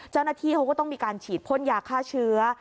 เจ้าหน้าที่เขาก็ต้องมีการฉีดพ่นยาฆ่าเชื้อ